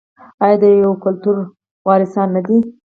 آیا د یو کلتور وارثان نه دي؟